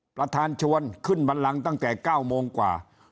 ประธานชวนขึ้นบันลังตั้งแต่๙โมงกว่า